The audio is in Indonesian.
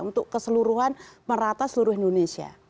untuk keseluruhan merata seluruh indonesia